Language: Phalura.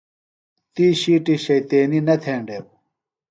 تی شِیٹیۡ شیطینیۡ نہ تھینڈیوۡ۔